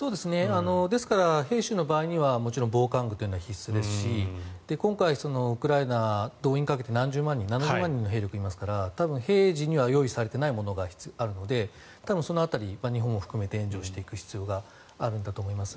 ですから、兵士の場合にはもちろん防寒具は必須ですし今回、ウクライナ動員かけて何十万人もいますから多分、平時には用意されていないものがあるので多分、その辺りは日本も含めて援助していく必要があるんだと思います。